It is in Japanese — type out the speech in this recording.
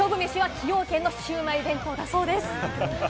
勝負飯は崎陽軒のシウマイ弁当だそうです。